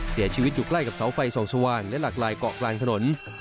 เสียชีวิตอยู่ใกล้กับเสาไฟส่องสว่างและหลากลายเกาะกลางถนน